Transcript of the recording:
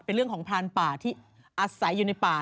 เป็นเรื่องของพรานป่าที่อาศัยอยู่ในป่า